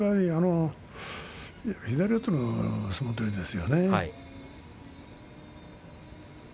左四つの相撲取りですよね。